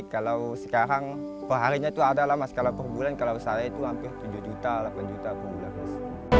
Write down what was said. kalau sekarang perharinya itu ada lah mas kalau perbulan kalau saya itu hampir tujuh juta delapan juta perbulan mas